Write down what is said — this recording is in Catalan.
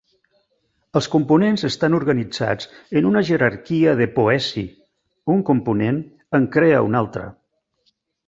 Els components estan organitzats en una jerarquia de poesi: un component en crea un altre.